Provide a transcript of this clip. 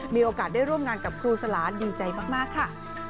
มีโอกาสได้ร่วมงานกับครูสลานดีใจมากค่ะ